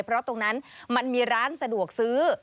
เพราะตรงนั้นมันมีร้านสะดวกซื้อ